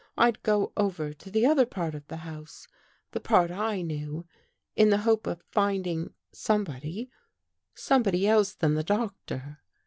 I'd go over to the other part of the house — the part I knew, in the hope of finding somebody — somebody else than the Doctor.